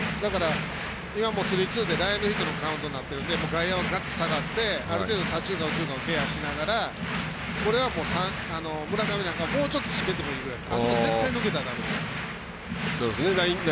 スリーツーでランエンドヒットのカウントになってるので外野は下がってある程度、左中間、右中間をケアしながらこれは村上なんかもう少ししめてもいいぐらいです。